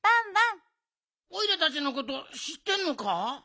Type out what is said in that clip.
おいらたちのことしってんのか？